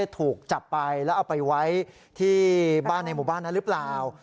ถูกจับไปแล้วเอาไปไว้ที่บ้านในหมู่บ้านนั้นหรือเปล่า